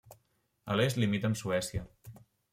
A l'est limita amb Suècia.